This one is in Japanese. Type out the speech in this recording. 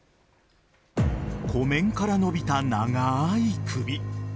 湖面から伸びた長い首。